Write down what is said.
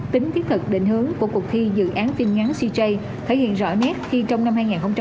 tính thiết thực định hướng của cuộc thi dự án phim ngắn cj thể hiện rõ nét khi trong năm hai nghìn hai mươi